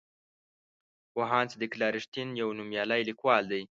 پوهاند صدیق الله رښتین یو نومیالی لیکوال دی.